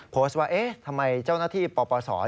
โพสต์ว่าเอ๊ะทำไมเจ้าหน้าที่ปปศ